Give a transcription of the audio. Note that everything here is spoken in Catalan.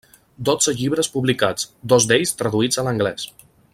Dotze llibres publicats, dos d'ells traduïts a l'anglès.